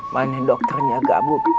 mana dokternya gabuk